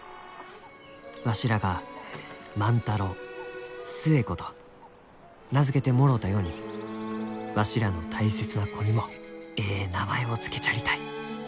「わしらが『万太郎』『寿恵子』と名付けてもろうたようにわしらの大切な子にもえい名前を付けちゃりたい。